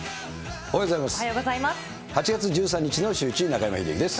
おはようございます。